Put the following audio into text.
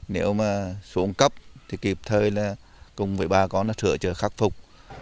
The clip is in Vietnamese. nếu mà xuống cấp thì kịp thời là cùng với ba con nó sửa cho khắc phục